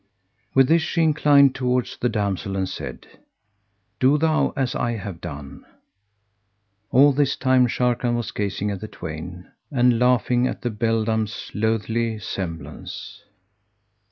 With this she inclined towards the damsel and said, "Do thou as I have done." All this time, Sharrkan was gazing at the twain, and laughing at the beldam's loathly semblance.